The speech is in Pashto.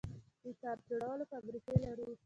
د تار جوړولو فابریکې لرو؟